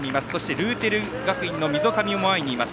ルーテル学院の溝上も前にいます。